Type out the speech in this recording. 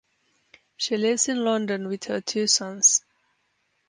She Lives in London with her two sons.